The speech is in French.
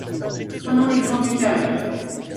Prenons l'exemple du carré.